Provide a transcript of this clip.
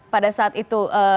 pada saat itu awal tahun